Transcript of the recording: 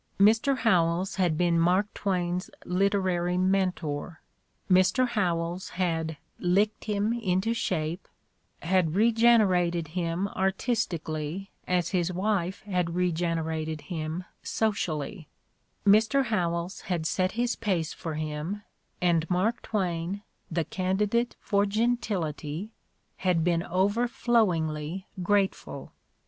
Mr. Howells had been Mark Twain's literary mentor; Mr. Howells had "licked him into shape," had regenerated him artistically as his wife had regenerated him socially ; Mr. Howells had set his pace for him, and Mark Twain, the candidate for gentility, had been over flowingly grateful.